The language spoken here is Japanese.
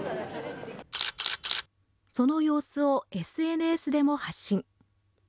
その様子をＳＮＳでも発信。